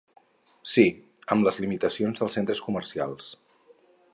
Sí, amb les limitacions dels centres comercials.